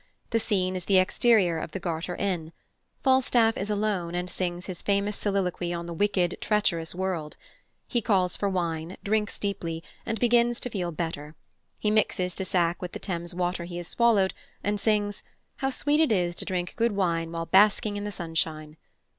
The scene is the exterior of the Garter Inn. Falstaff is alone, and sings his famous soliloquy on the wicked, treacherous world. He calls for wine, drinks deeply, and begins to feel better. He mixes the sack with the Thames water he has swallowed, and sings, "How sweet it is to drink good wine while basking in the sunshine."